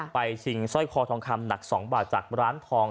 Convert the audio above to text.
ชิงสร้อยคอทองคำหนัก๒บาทจากร้านทอง